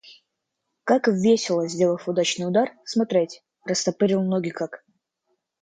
Как весело, сделав удачный удар, смотреть, растопырил ноги как.